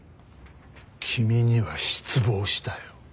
君には失望したよ。